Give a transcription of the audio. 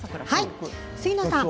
杉野さん